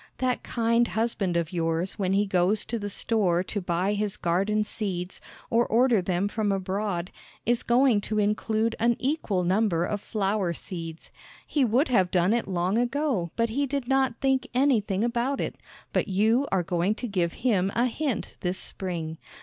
That kind husband of yours when he goes to the store to buy his garden seeds, or order them from abroad, is going to include an equal number of flower seeds. He would have done it long ago but he did not think anything about it. But you are going to give him a hint this spring.